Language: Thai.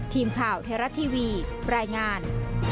ทีมข่าวเทราะท์ทีวีปลายงาน